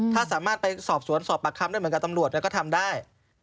ถ้าสามารถไปสอบสวนสอบปากคำได้เหมือนกับตำรวจก็ทำได้